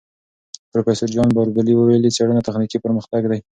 پروفیسور جان باربور ویلي، څېړنه تخنیکي پرمختګ دی.